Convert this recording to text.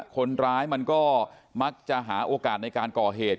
คนร้ายมันก็มักจะหาโอกาสในการก่อเหตุ